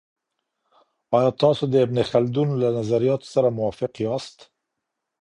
آیا تاسو د ابن خلدون له نظریاتو سره موافق یاست؟